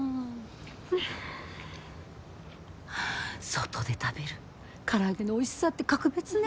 外で食べる唐揚げのおいしさって格別ね。